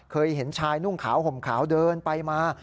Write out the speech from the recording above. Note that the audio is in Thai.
เห็นชายนุ่งขาวห่มขาวเดินไปมา